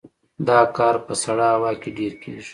دا کار په سړه هوا کې ډیر کیږي